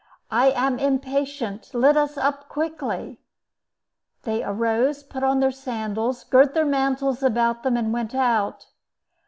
I am impatient; let us up quickly." They arose, put on their sandals, girt their mantles about them, and went out.